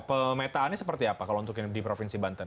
pemetaannya seperti apa kalau untuk yang di provinsi banten